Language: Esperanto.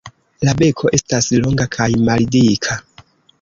La beko estas longa kaj maldika.